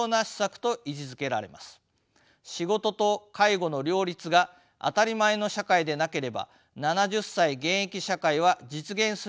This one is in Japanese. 仕事と介護の両立が当たり前の社会でなければ７０歳現役社会は実現することはできません。